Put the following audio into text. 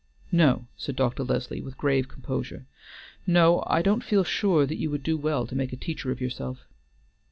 "No," said Dr. Leslie, with grave composure. "No, I don't feel sure that you would do well to make a teacher of yourself."